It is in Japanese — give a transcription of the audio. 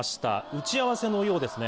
打ち合わせのようですね。